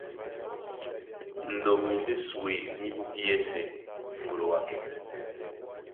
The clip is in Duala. Ndóm nie ndé súe ní búkí yɛ́sɛ̄ ŋgolowakɛ.